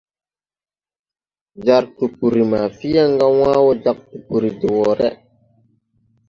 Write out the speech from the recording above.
Jar tupuri ma Fianga wãã wo jāg tupuri de woʼré.